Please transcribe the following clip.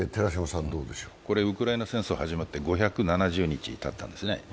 これウクライナ戦争を始まって５７０日たったんですね。